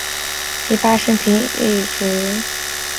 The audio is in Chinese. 策勒蒲公英为菊科蒲公英属下的一个种。